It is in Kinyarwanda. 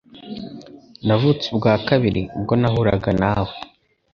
Navutse ubwa kabiri ubwo nahuraga nawe.